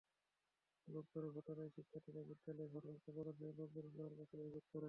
রোববারের ঘটনায় শিক্ষার্থীরা বিদ্যালয়ের ভারপ্রাপ্ত প্রধান শিক্ষক নজরুল ইসলামের কাছে অভিযোগ করে।